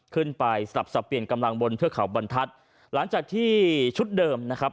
สลับสับเปลี่ยนกำลังบนเทือกเขาบรรทัศน์หลังจากที่ชุดเดิมนะครับ